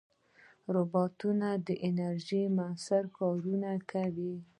روبوټونه د انرژۍ مؤثره کارونه کوي.